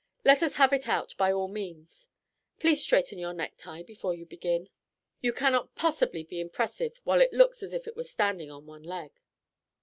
Let us have it out, by all means. Please straighten your necktie before you begin. You cannot possibly be impressive while it looks as if it were standing on one leg."